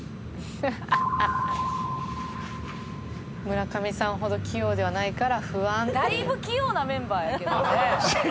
「“村上さんほど器用ではないから不安”」「だいぶ器用なメンバーやけどね」